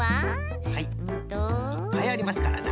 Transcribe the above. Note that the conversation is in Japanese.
いっぱいありますからな。